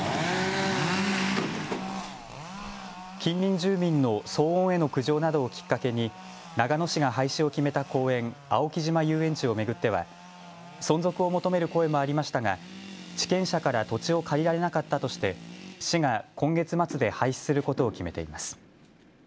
近隣住民の騒音への苦情などをきっかけに長野市が廃止を決めた公園、青木島遊園地を巡っては存続を求める声もありましたが地権者から土地を借りられなかったとして市が今月末で廃止することを決めています。